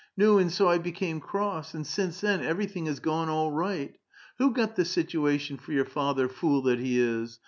Nu^ and so I became cross. And since then everything has gone all right. Who got the situation for your ( father, fool that he is?